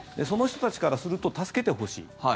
その人たちからすると助けてほしい。